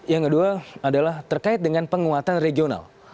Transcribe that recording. yang kedua adalah terkait dengan penguatan regional